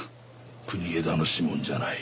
国枝の指紋じゃない。